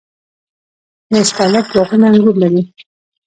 د استالف باغونه انګور لري.